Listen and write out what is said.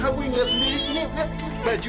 kamu sengaja mau ngerjain aku